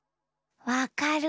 わかる！